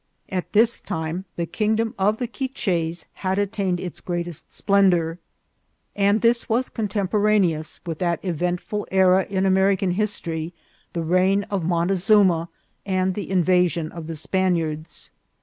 At this time the kingdom of the Quiches had attained its greatest splendour, and this was contemporaneous with that eventful era in American history, the reign of Montezuma and the invasion of the Spaniards.